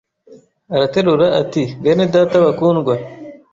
Araterura ati bene data bakundwa,